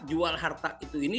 jual harta itu ini